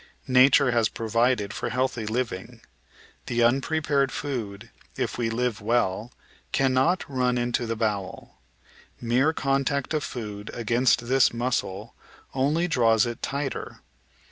Nature has provided for healthy living. The unpre pared fpod, if we live well, cannot run into the bowel. Mere contact of food against this muscle only draws it tighter.